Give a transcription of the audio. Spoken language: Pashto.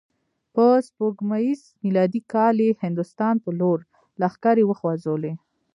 په سپوږمیز میلادي کال یې هندوستان په لور لښکرې وخوزولې.